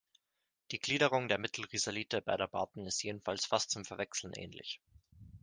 Die Gliederung der Mittelrisalite beider Bauten ist jedenfalls fast zum Verwechseln ähnlich.